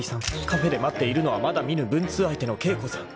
［カフェで待っているのはまだ見ぬ文通相手の景子さん］